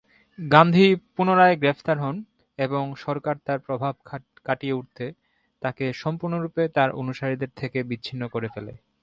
গান্ধী পুনরায় গ্রেপ্তার হন এবং সরকার তার প্রভাব কাটিয়ে উঠতে তাকে সম্পূর্ণরূপে তার অনুসারীদের থেকে বিচ্ছিন্ন করে ফেলে।